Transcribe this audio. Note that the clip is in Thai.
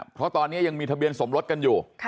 เพราะตอนนี้ยังมีทะเบียนสมรสกันอยู่